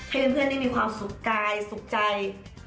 ให้เพื่อนได้มีความสุขกายสุขใจ